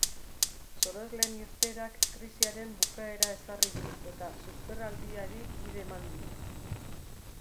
Sorosleen irteerak krisiaren bukaera ezarri du eta susperraldiari bide eman dio.